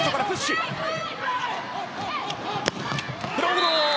ブロード！